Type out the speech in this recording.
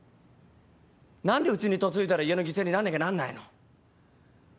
何でうちに嫁いだら家の犠牲になんなきゃなんないの？